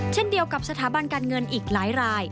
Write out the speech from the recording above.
เช่นเดียวกับสถาบันการเงินอีกหลายราย